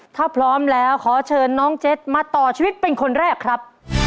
ถ้าพร้อมแล้วขอเชิญน้องเจ็ดมาต่อชีวิตเป็นคนแรกครับ